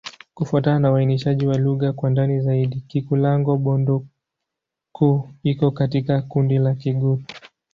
Kufuatana na uainishaji wa lugha kwa ndani zaidi, Kikulango-Bondoukou iko katika kundi la Kigur.